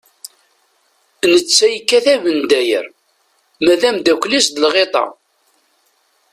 Netta yekkat abendayer, ma d ameddakel-is d lɣiṭa.